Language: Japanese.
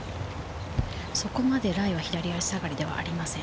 そこまでライは左足下がりではありません。